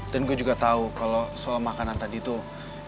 dan gue juga tau kalau soal makanan tadi tuh